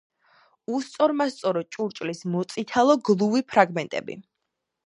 უსწორმასწორო ჭურჭლის მოწითალო, გლუვი ფრაგმენტები.